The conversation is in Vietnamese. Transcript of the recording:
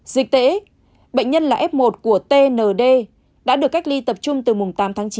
dịch tễ bệnh nhân là f một của tnd đã được cách ly tập trung từ mùng tám tháng chín